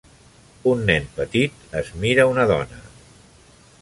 Un nen petit es mira una dona.